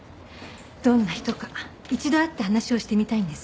どんな人か一度会って話をしてみたいんです。